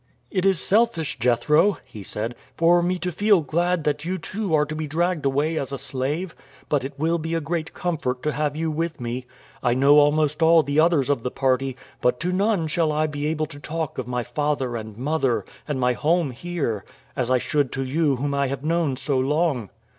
"It is selfish, Jethro," he said, "for me to feel glad that you too are to be dragged away as a slave, but it will be a great comfort to have you with me. I know almost all the others of the party, but to none shall I be able to talk of my father and mother and my home here as I should to you whom I have known so long."